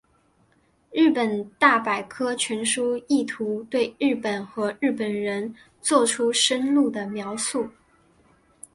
日本大百科全书意图对日本和日本人作出深入的描述。